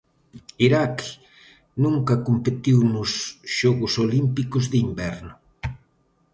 Iraq nunca competiu nos Xogos Olímpicos de Inverno.